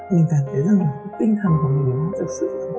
mình cảm thấy rằng tinh thần của mình rất sức